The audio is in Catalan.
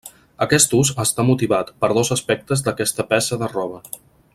Aquest ús està motivat, per dos aspectes d'aquesta peça de roba.